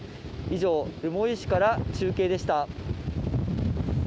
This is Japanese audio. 以上、留萌市から中継でした。